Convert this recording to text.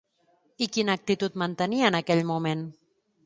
I quina actitud mantenia en aquell moment?